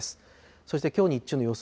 そしてきょう日中の予想